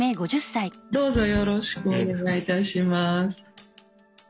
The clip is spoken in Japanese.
どうぞよろしくお願い致します。